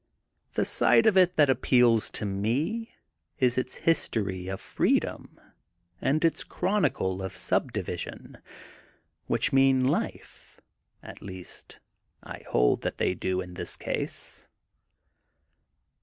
The side of it that appeals to me is its history of freedom and its chronicle of sub division, which mean life, at least I hold that they do in this case.